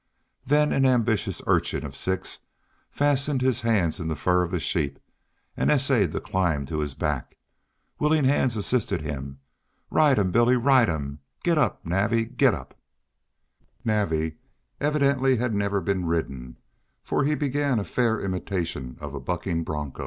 Then an ambitious urchin of six fastened his hands in the fur of the sheep and essayed to climb to his back. Willing hands assisted him. "Ride him, Billy, ride him. Getup, Navvy, getup!" Navvy evidently had never been ridden, for he began a fair imitation of a bucking bronco.